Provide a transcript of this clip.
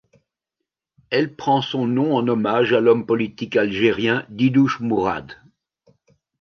Elle prend son nom en hommage à l'homme politique algérien Didouche Mourad.